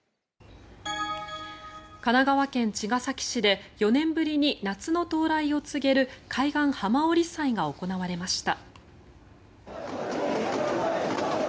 神奈川県茅ヶ崎市で４年ぶりに夏の到来を告げる海岸浜降祭が行われました。